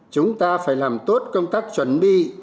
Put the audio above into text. chúng ta phải làm tốt công tác chuẩn bị